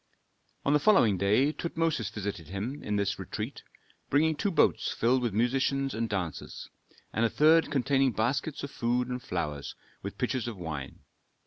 On the following day Tutmosis visited him in this retreat, bringing two boats filled with musicians and dancers, and a third containing baskets of food and flowers, with pitchers of wine.